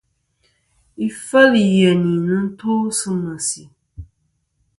Ifêl yèyn ì nɨn to sɨ mèsì.